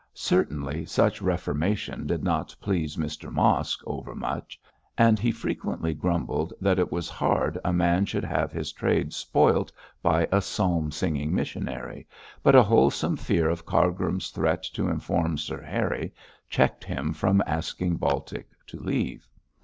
Certainly, such reformation did not please Mr Mosk over much, and he frequently grumbled that it was hard a man should have his trade spoilt by a psalm singing missionary, but a wholesome fear of Cargrim's threat to inform Sir Harry checked him from asking Baltic to leave.